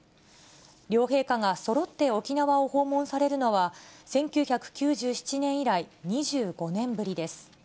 両陛下がそろって沖縄を訪問されるのは、１９９７年以来２５年ぶりです。